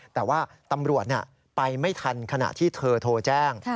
แต่ว่าตำรวจไปไม่ทันขณะที่เธอโทรแจ้ง